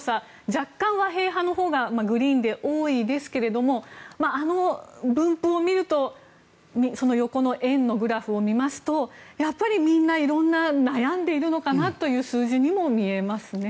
若干、和平派のほうがグリーンで多いですがあの分布を見るとその横の円のグラフを見ますとやっぱりみんな色んな悩んでいるのかなという数字にも見えますね。